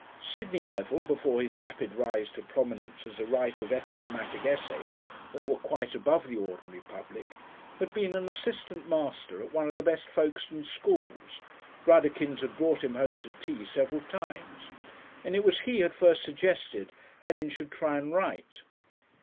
Sidney Revel before his rapid rise to prominence as a writer of epigrammatic essays that were quite above the ordinary public, had been an assistant master at one of the best Folkestone schools, Brudderkins had brought him home to tea several times, and it was he had first suggested Helen should try and write.